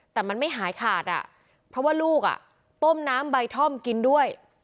แต่มันไม่หายขาดอ่ะเพราะว่าลูกต้มน้ำใบท่อมกินด้วย